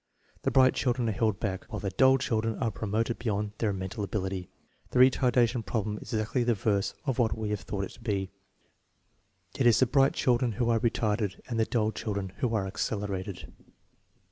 The bright children are held back, while the dull children are promoted beyond their mental ability. The retardation problem is exactly the reverse of what we have thought it to be. It is the bright children who are retarded, and the dull chil dren who are accelerated.